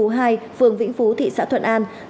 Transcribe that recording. phường vĩnh phú thị xã thuận an